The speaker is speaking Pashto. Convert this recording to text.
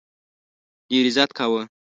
ډېر عزت کاوه.